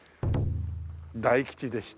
「大吉」でした。